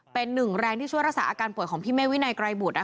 เป็นหนึ่งแรงที่ช่วยรักษาอาการป่วยของพี่เมฆวินัยไกรบุตร